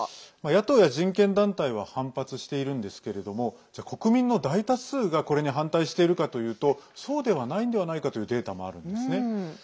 野党や人権団体は反発しているんですけれども国民の大多数がこれに反対しているかというとそうではないのではないかというデータもあるんですね。